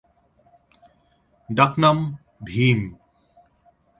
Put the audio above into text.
ডাক নাম ভীম।